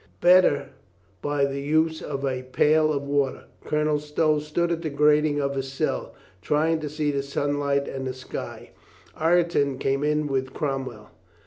The better by the use of a pail of water. Colonel Stow stood at the grating of his cell, trying to see the sunlight and the sky. Ireton came in with Cromwell.